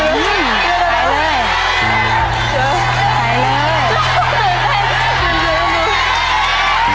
หายแล้ว